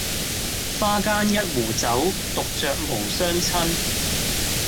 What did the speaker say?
花間一壺酒，獨酌無相親